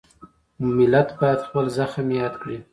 ملت باید خپل زخم یاد کړي.